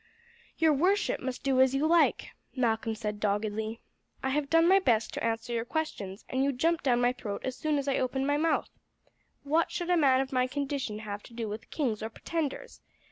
"Your worship must do as you like," Malcolm said doggedly. "I have done my best to answer your questions, and you jump down my throat as soon as I open my mouth. What should a man of my condition have to do with kings or pretenders?